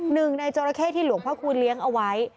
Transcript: หนึ่งในจราเข้ที่หลวงพระคูณเลี้ยงเอาไว้